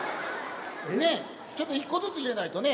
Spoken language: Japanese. ねえちょっと１個ずつ入れないとね